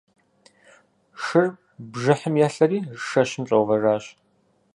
Шыр бжыхьым елъэри шэщым щӀэувэжащ.